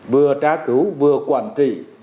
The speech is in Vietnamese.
vừa trá cứu vừa quản trị